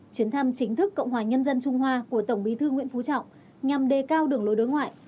chuyến thăm chính thức cộng hòa nhân dân trung hoa của tổng bí thư nguyễn phú trọng nhằm đề cao đường lối đối ngoại